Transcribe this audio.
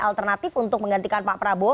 alternatif untuk menggantikan pak prabowo